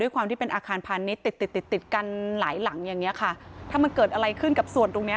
กันหลายหลังอย่างนี้ค่ะถ้ามันเกิดอะไรขึ้นกับส่วนตรงนี้